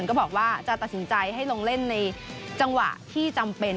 ก็บอกว่าจะตัดสินใจให้ลงเล่นในจังหวะที่จำเป็น